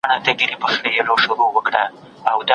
خوندور فعالیتونه د فزیکي فعالیت زیاتولو ښه لار ده.